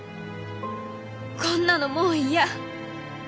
こんなのもう嫌！